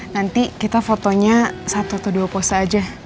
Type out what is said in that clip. nanti kita fotonya satu atau dua pose aja